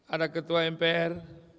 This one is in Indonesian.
ada ketua mpr